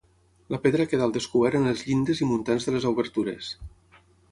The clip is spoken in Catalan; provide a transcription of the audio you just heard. La pedra queda al descobert en les llindes i muntants de les obertures.